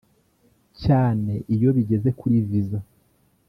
cyane iyo bigeze kuri Visa